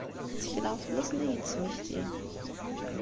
Ttekleɣ fell-asen ad iyi-d-smektin.